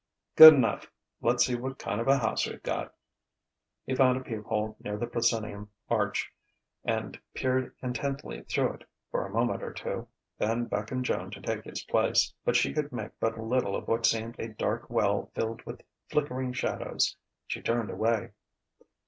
"Good enough. Let's see what kind of a house we've got." He found a peep hole near the proscenium arch and peered intently through it for a moment or two; then beckoned Joan to take his place. But she could make but little of what seemed a dark well filled with flickering shadows. She turned away.